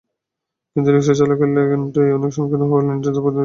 কিন্তু রিকশা চলাচলের লেনটি অনেক সংকীর্ণ হওয়ায় লেনটিতে প্রতিনিয়ত যানজটের সৃষ্টি হয়।